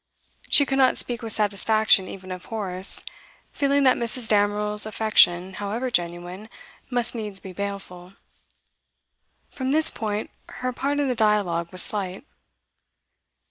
She could not speak with satisfaction even of Horace, feeling that Mrs. Damerel's affection, however genuine, must needs be baleful. From this point her part in the dialogue was slight.